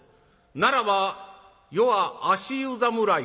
「ならば余は足湯侍か」。